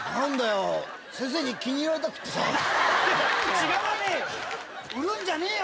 違わねえよ。